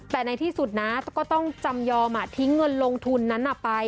แต่ในที่สุดนะก็ต้องจำยอมทิ้งเงินลงทุนนั้นไป